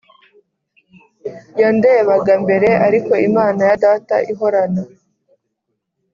yandebaga mbere ariko Imana ya data ihorana